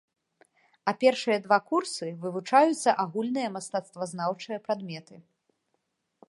А першыя два курсы вывучаюцца агульныя мастацтвазнаўчыя прадметы.